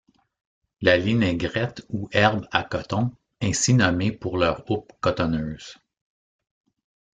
La linaigrette ou herbes à coton ainsi nommées pour leur houppe cotonneuse.